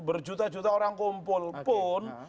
berjuta juta orang kumpul pun